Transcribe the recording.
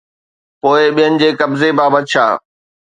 پوءِ ٻين جي قبضي بابت ڇا؟